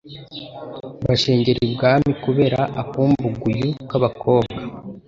bashengera ibwami kubera akumbuguyu k'abakobwa